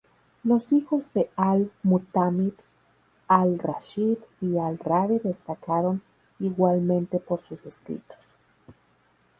Los hijos de Al-Mutámid, Al-Rashid y Al-Radi destacaron igualmente por sus escritos.